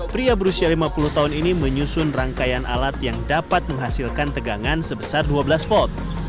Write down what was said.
pria berusia lima puluh tahun ini menyusun rangkaian alat yang dapat menghasilkan tegangan sebesar dua belas volt